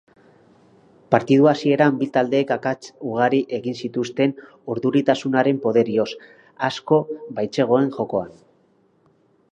Partida hasieran bi taldeek akats ugari egin zituzten urduritasunaren poderioz asko baitzegoen jokoan.